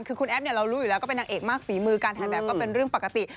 คือคุณแอฟเรารู้อยู่แล้วก็เป็นนางเอกมากฝีมือการถ่ายแบบก็เป็นเรื่องปกติ